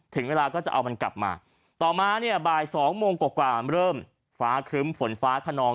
ถึงเวลาก็จะเอามันกลับมาต่อมาเนี่ยบ่ายสองโมงกว่าเริ่มฟ้าครึ้มฝนฟ้าขนอง